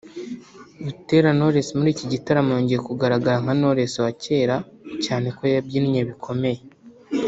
Butera knowless muri iki gitaramo yongeye kugaragara nka Knowless wa cyera cyane ko yabyinnye bikomeye